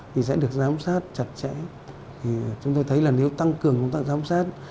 nếu được giám sát chặt chẽ thì chúng tôi thấy là nếu tăng cường công tác giám sát